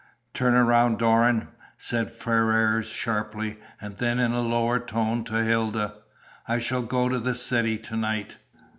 "Turn around, Doran," said Ferrars sharply, and then in a lower tone to Hilda, "I shall go to the city to night."